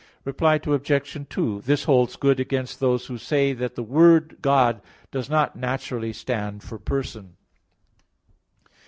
Reply Obj. 2: This holds good against those who say that the word "God" does not naturally stand for person.